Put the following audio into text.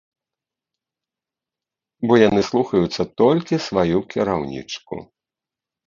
Бо яны слухаюцца толькі сваю кіраўнічку.